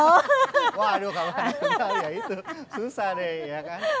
waduh kalau anaknya gak tunggal ya itu susah deh ya kan